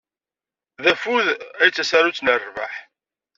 D afud ay d tasarut n rrbeḥ.